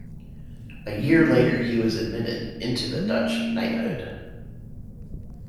A year later he was admitted into the Dutch knighthood.